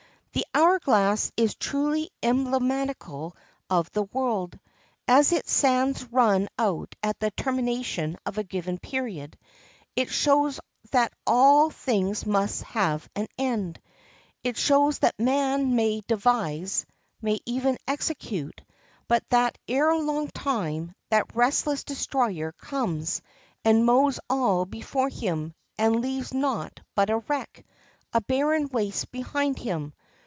The hour glass is truly emblematical of the world. As its sands run out at the termination of a given period, so it shows that all things must have an end. It shows that man may devise—may even execute—but that erelong time, that restless destroyer, comes, and mows all before him, and leaves naught but a wreck, a barren waste behind him.